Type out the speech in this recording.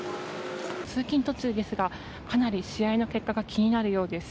通勤途中ですがかなり試合の結果が気になるようです。